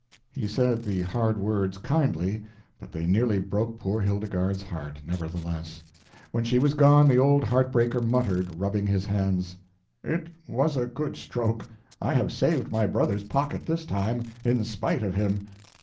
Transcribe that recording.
He said the hard words kindly, but they nearly broke poor Hildegarde's heart, nevertheless. When she was gone the old heartbreaker muttered, rubbing his hands "It was a good stroke. I have saved my brother's pocket this time, in spite of him.